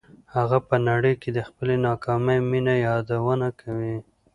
هغه په نړۍ کې د خپلې ناکامې مینې یادونه کوي